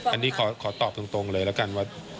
อันนี้ขอตอบตรงเลยแล้วกันว่า